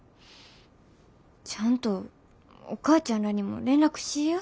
ちゃんとお母ちゃんらにも連絡しいや。